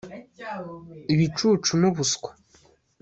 ibicucu nubuswa